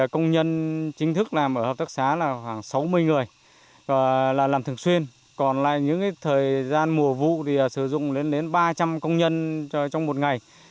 công nhân chính thức làm ở hợp tác xá là khoảng sáu mươi người là làm thường xuyên còn lại những thời gian mùa vụ thì sử dụng lên đến ba trăm linh công nhân trong một ngày